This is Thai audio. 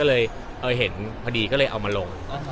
ก็เลยเห็นพอดีก็เลยเอามาลง